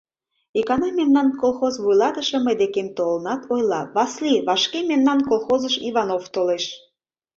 Икана мемнан колхоз вуйлатыше мый декем толынат, ойла: «Васли, вашке мемнан колхозыш Иванов толеш.